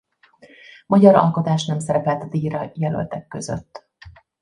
Magyar alkotás nem szerepelt a díjra jelöltek között.